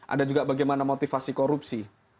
ada juga bagaimana motivasi korupsi